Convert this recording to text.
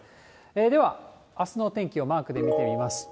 では、あすの天気をマークで見てみますと。